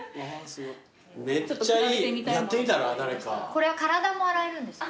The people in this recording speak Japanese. これは体も洗えるんですか？